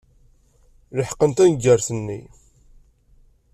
Leḥqen taneggart-nni.